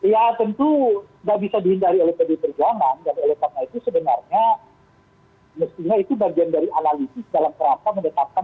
ya tentu tidak bisa dihindari oleh pdi perjuangan